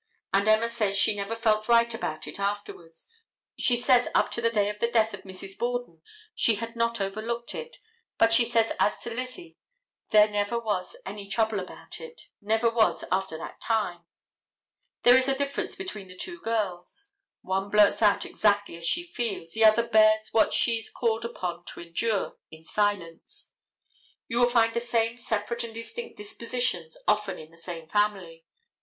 And Emma says she never felt right about it afterward. She says up to the day of the death of Mrs. Borden she had not overlooked it, but she says as to Lizzie there never was any trouble about it—never was after that time. There is a difference between the two girls. One blurts out exactly as she feels, the other bears what she is called upon to endure in silence. You will find the same separate and distinct dispositions often in the same family.